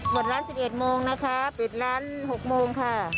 ร้าน๑๑โมงนะคะปิดร้าน๖โมงค่ะ